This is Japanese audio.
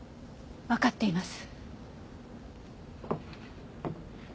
わかっています。